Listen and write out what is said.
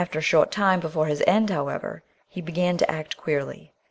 A short time before his end, however, he began to act queerly.